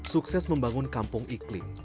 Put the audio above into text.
sukses membangun kampung iklim